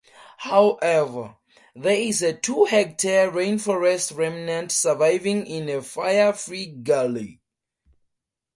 However, there is a two hectare rainforest remnant surviving in a fire free gully.